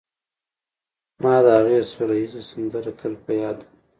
ما د هغې سوله ييزه سندره تل په ياد ده